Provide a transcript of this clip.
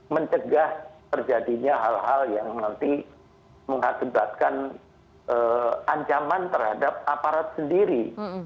mencegah terjadinya hal hal yang nanti mengakibatkan ancaman terhadap aparat sendiri